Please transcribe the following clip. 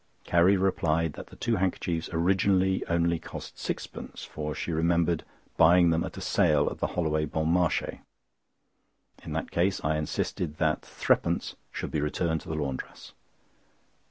Carrie replied that the two handkerchiefs originally only cost sixpence, for she remembered buying them at a sale at the Holloway Bon Marché. In that case, I insisted that threepence should be returned to the laundress.